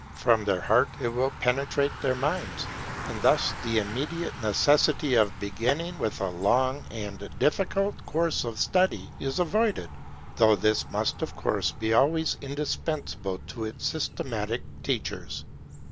From their heart it will penetrate their minds, and thus the immediate necessity of beginning with a long and difficult course of study is avoided, though this must of course be always indispensable to its systematic teachers.